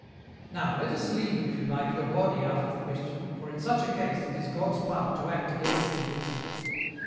" Now let us leave, if you like, your body out of the question, for in such a case, it is God's part to act against your weakness.